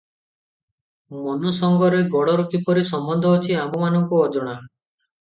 ମନ ସଙ୍ଗରେ ଗୋଡ଼ର କିପରି ସମ୍ବନ୍ଧ ଅଛି ଆମ୍ଭମାନଙ୍କୁ ଅଜଣା ।